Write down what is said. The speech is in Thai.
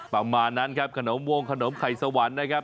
ประมาณนั้นครับขนมวงขนมไข่สวรรค์นะครับ